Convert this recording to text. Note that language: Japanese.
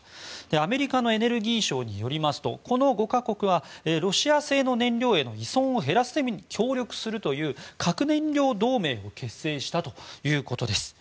アメリカのエネルギー省によりますとこの５か国はロシア製の燃料への依存を減らすために協力するという核燃料同盟を結成したということです。